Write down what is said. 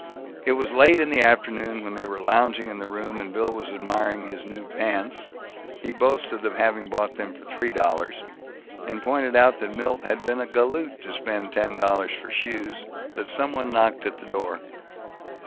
It was late in the afternoon, when they were lounging in the room, and Bill was admiring his new pants he boasted of having bought them for three dollars, and pointed out that Milt had been a "galoot" to spend ten dollars for shoes that some one knocked at the door.